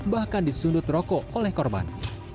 bahkan disundut rokok oleh korban